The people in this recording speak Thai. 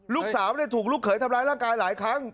ลูกสาวถูกลูกเขยทำร้ายร่างกายหลายครั้ง